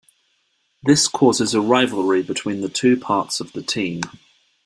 This causes a rivalry between the two parts of the team.